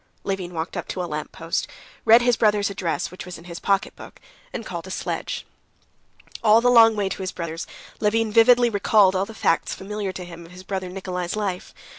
Levin walked up to a lamppost, read his brother's address, which was in his pocketbook, and called a sledge. All the long way to his brother's, Levin vividly recalled all the facts familiar to him of his brother Nikolay's life.